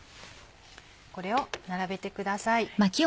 これを並べてください。